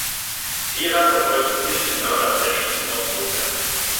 Theron verfolgt den flüchtenden Mörder und erschießt ihn aus Notwehr.